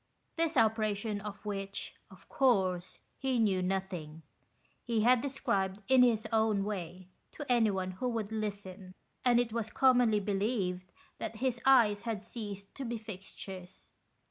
This operation, of which, of course, he knew nothing, he had described, in his own way, to anyone who would listen, and it was commonly believed that his eyes had ceased to be fixtures.